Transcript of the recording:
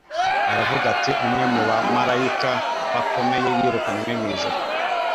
Aravuga ati, umwe mu bamarayika bakomeye yirukanywe mw'ijuru.